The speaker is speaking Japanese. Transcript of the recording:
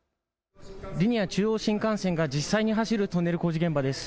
リニア中央新幹線が実際に走るトンネル工事現場です。